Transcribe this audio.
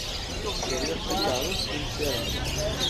Sriɣ takeṛṛust n Si Remḍan.